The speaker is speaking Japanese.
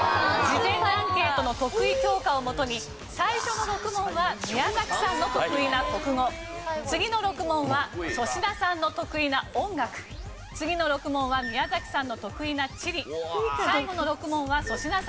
事前アンケートの得意教科をもとに最初の６問は宮崎さんの得意な国語次の６問は粗品さんの得意な音楽次の６問は宮崎さんの得意な地理最後の６問は粗品さんの得意な算数となっています。